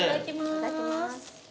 いただきます。